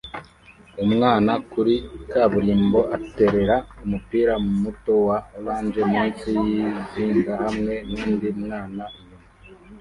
Umwana kuri kaburimbo aterera umupira muto wa orange munsi yizinga hamwe nundi mwana inyuma